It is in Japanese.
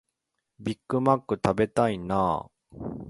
ビッグマック食べたいなあ